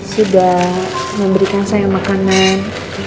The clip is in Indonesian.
sudah memberikan saya makanan